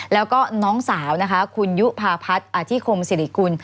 แล้วก็น้องสาวนะคะคุณยุภาพัฒน์อธิคมสิริกุล